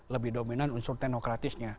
lebih dominan unsur tenokratisnya